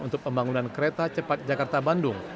untuk pembangunan kereta cepat jakarta bandung